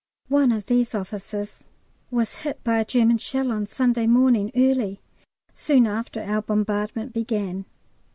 One of these officers was hit by a German shell on Sunday morning early, soon after our bombardment began.